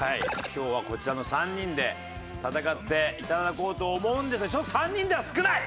今日はこちらの３人で戦っていただこうと思うんですがちょっと３人では少ない。